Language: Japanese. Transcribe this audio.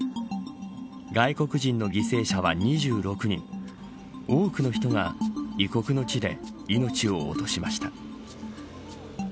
外国人の犠牲者は２６人多くの人が異国の地で命を落としました。